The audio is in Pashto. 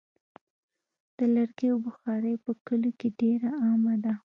د لرګیو بخاري په کلیو کې ډېره عامه ده.